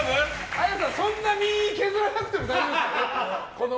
ＡＹＡさん、そんな身を削らなくても大丈夫ですよ。